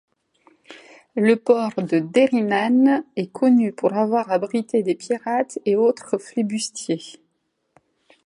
Le port de Derrynane est connu pour avoir abrité des pirates et autres flibustiers.